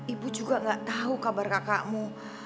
ibu juga gak tahu kabar kakakmu